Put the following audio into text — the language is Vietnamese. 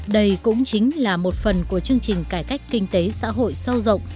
đây cũng chính là một phần của chương trình cải cách kinh tế xã hội sâu rộng